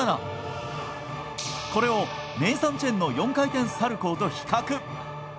これをネイサン・チェンの４回転サルコウと比較。